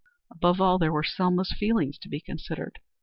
Above all there were Selma's feelings to be considered.